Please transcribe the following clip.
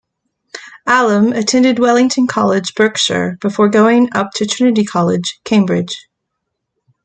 Allom attended Wellington College, Berkshire, before going up to Trinity College, Cambridge.